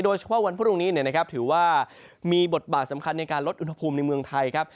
วันพรุ่งนี้ถือว่ามีบทบาทสำคัญในการลดอุณหภูมิในเมืองไทยครับ